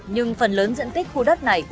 nhưng phần lớn diện tích khu đất này